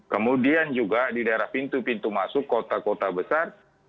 kemudian juga di daerah pintu pintu masuk kota kota besar